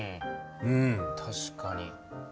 うん確かに。